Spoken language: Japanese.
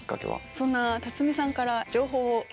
そんな辰巳さんから情報を。